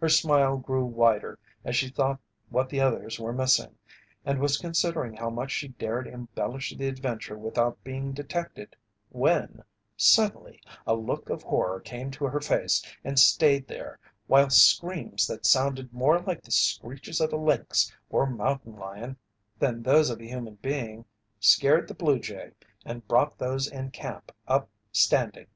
Her smile grew wider as she thought what the others were missing, and was considering how much she dared embellish the adventure without being detected, when, suddenly, a look of horror came to her face and stayed there, while screams that sounded more like the screeches of a lynx or mountain lion than those of a human being scared the blue jay and brought those in camp up standing.